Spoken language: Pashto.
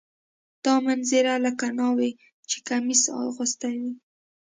دا منظره لکه ناوې چې کمیس اغوستی وي.